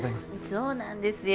そうなんですよ。